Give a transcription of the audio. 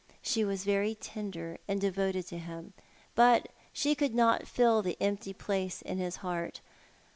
She was very tender and devoted to him, but she could not fill the empty place in his heart.